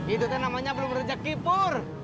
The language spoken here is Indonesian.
itu tuh namanya belum rejeki pur